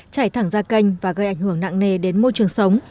chảy thẳng ra canh và gây ảnh hưởng nặng nề đến môi trường sống